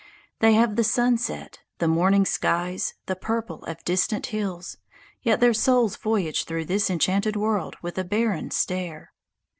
They have the sunset, the morning skies, the purple of distant hills, yet their souls voyage through this enchanted world with a barren stare.